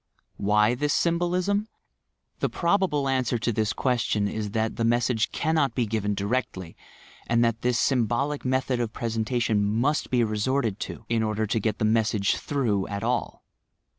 Why this symbolism? The probable answer to this question is, that the message cannot be given directly, and that this symbolic method of presentation must be resorted to, in order to get the message "through" at all.